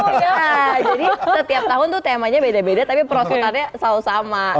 jadi setiap tahun tuh temanya beda beda tapi perosotannya selalu sama